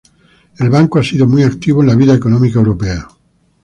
El banco ha sido muy activo en la vida económica europea.